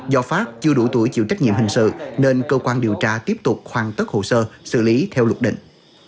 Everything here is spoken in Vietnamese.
do pháp chưa đủ tuổi chịu trách nhiệm hình sự nên cơ quan điều tra tiếp tục hoàn tất hồ sơ xử lý theo luật định